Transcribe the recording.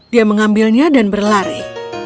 dia mengambilnya dan berlari